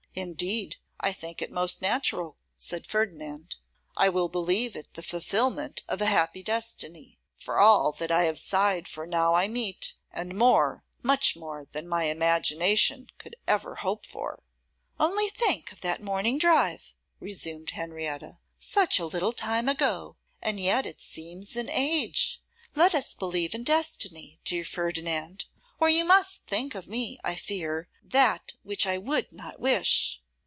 'Indeed, I think it most natural,' said Ferdinand; 'I will believe it the fulfilment of a happy destiny. For all that I have sighed for now I meet, and more, much more than my imagination could ever hope for.' 'Only think of that morning drive,' resumed Henrietta, 'such a little time ago, and yet it seems an age! Let us believe in destiny, dear Ferdinand, or you must think of me, I fear, that which I would not wish.